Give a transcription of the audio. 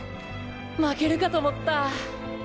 負けるかと思った。